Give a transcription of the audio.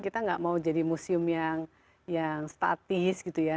kita nggak mau jadi museum yang statis gitu ya